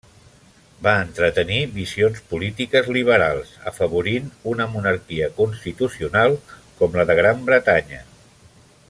Va entretenir visions polítiques liberals, afavorint una monarquia constitucional com la de Gran Bretanya.